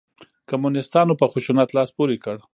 کمونسیتانو په خشونت لاس پورې کړ.